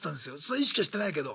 意識はしてないけど。